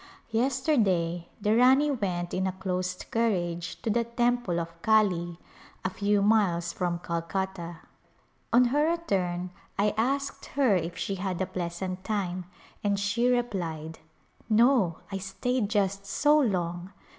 Yesterday the Rani went in a closed carriage to the temple of Kali, a few miles from Calcutta. On her return I asked her if she had a pleasant time and she replied, " No, I stayed just so long